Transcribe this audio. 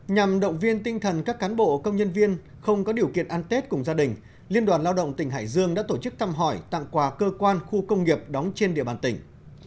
nhằm động viên tinh thần các cán bộ công nhân viên không có điều kiện ăn tết cùng gia đình liên đoàn lao động tỉnh hải dương đã tổ chức thăm hỏi tặng quà cơ quan khu công nghiệp đóng trên địa bàn tỉnh